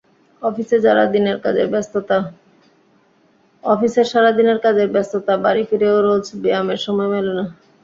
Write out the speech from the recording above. অফিসে সারা দিনের কাজের ব্যস্ততা, বাড়ি ফিরেও রোজ ব্যায়ামের সময় মেলে না।